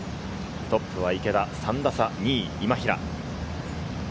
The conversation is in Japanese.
トップは池田、３打差２位、今平。